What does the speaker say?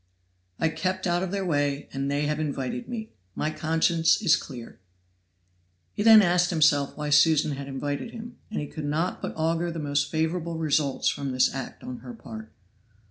"I kept out of their way, and they have invited me; my conscience is clear." He then asked himself why Susan had invited him; and he could not but augur the most favorable results from this act on her part.